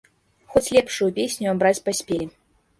Хоць лепшую песню абраць паспелі.